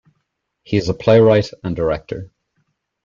He is a playwright and director.